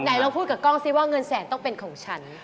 ไหนเราพูดกับกล้องซิว่าเงินแสนต้องเป็นของฉัน